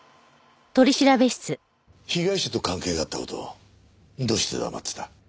被害者と関係があった事をどうして黙ってた？